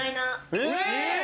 えっ！？